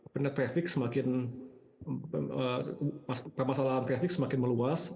permasalahan traffic semakin meluas